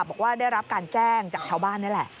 บอกว่าได้รับการแจ้งจากชาวบ้านนี่แหละ